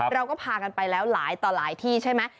เราก็พากันไปแล้วหลายต่อหลายที่ใช่ไหม